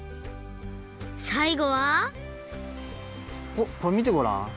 さいごはこれみてごらん。